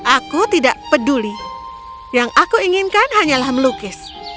aku tidak peduli yang aku inginkan hanyalah melukis